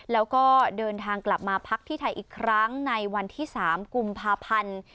แล้วก็เดินทางกลับมาพักที่ไทยอีกครั้งในวันที่๓กุมภาพันธ์